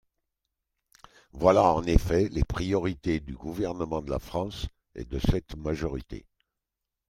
Voilà en effet les priorités du gouvernement de la France et de cette majorité.